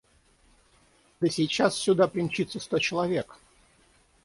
– Да сейчас сюда примчится сто человек!